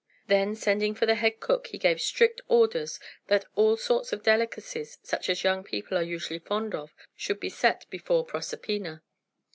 Then, sending for the head cook, he gave strict orders that all sorts of delicacies, such as young people are usually fond of, should be set before Proserpina.